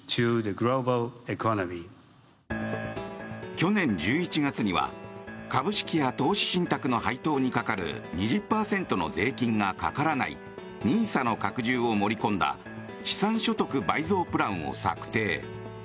去年１１月には株式や投資信託の配当にかかる２０％の税金がかからないＮＩＳＡの拡充を盛り込んだ資産所得倍増プランを策定。